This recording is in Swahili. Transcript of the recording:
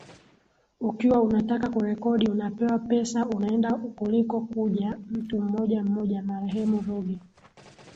ukiwa unataka kurekodi unapewa pesa unaenda kuliko kuja mtu mmoja mmoja Marehemu Ruge